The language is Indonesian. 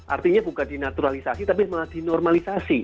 artinya bukan dinaturalisasi tapi malah dinormalisasi